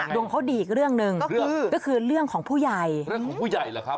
ดวงเขาดีอีกเรื่องหนึ่งก็คือเรื่องของผู้ใหญ่เรื่องของผู้ใหญ่แหละครับ